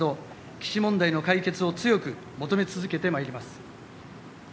基地問題の解決を強く求め続けてまいります。